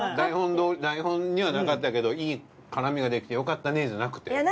台本にはなかったけどいい絡みができてよかったねじゃなくて？